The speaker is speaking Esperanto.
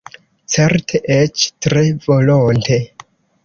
Certe, eĉ tre volonte.